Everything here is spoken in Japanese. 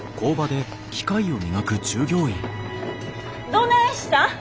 どないしたん。